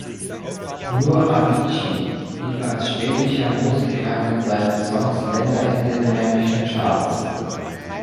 Nur Avicii blieb als schwedischer Musiker mit seinen Songs länger in den heimischen Charts.